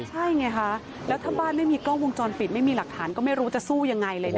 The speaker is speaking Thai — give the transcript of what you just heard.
ใช่ไงคะแล้วถ้าบ้านไม่มีกล้องวงจรปิดไม่มีหลักฐานก็ไม่รู้จะสู้ยังไงเลยนะ